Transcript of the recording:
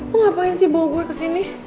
lo ngapain sih bawa gue kesini